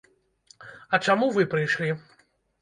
А чаму вы прыйшлі?